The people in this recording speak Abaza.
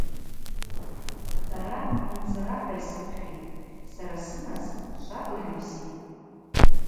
Сара Нцӏра – хӏва йсыпхьитӏ, сара сынасып швабыж йбзипӏ.